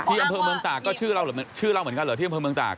ที่อำเภอเมืองตากก็ชื่อเราเหรอชื่อเราเหมือนกันเหรอที่อำเภอเมืองตาก